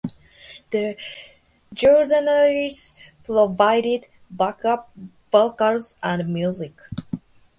The Jordanaires provided backup vocals and music.